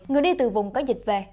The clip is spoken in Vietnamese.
người đi từ vùng có dịch về